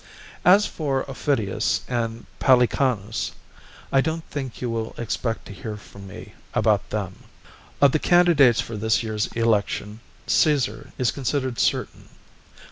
As for Aufidius and Palicanus, I don't think you will expect to hear from me about them. Of the candidates for this year's election Caesar is considered certain.